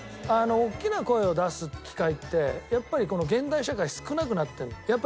大きな声を出す機会ってやっぱりこの現代社会少なくなってる。